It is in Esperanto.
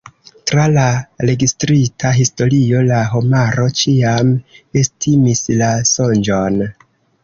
Tra la registrita historio, la homaro ĉiam estimis la sonĝon.